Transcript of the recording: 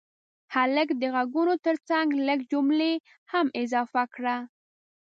هلکه د غږونو ترڅنګ لږ جملې هم اضافه کړه.